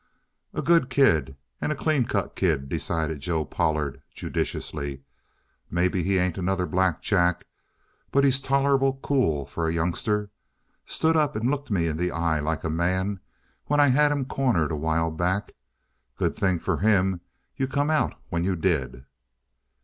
"A good kid and a clean cut kid," decided Joe Pollard judicially. "Maybe he ain't another Black Jack, but he's tolerable cool for a youngster. Stood up and looked me in the eye like a man when I had him cornered a while back. Good thing for him you come out when you did!"